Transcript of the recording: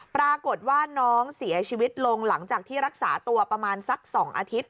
ปรากฏว่าน้องเสียชีวิตลงหลังจากที่รักษาตัวประมาณสัก๒อาทิตย์